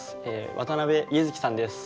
渡結月さんです。